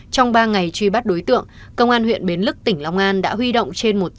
trong ba ngày truy bắt đối tượng công an huyện bến lức tỉnh long an đã huy động trên một trăm linh